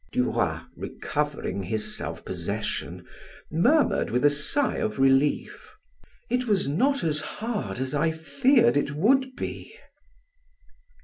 Duroy, recovering his self possession, murmured with a sigh of relief: "It was not as hard as I feared it would be."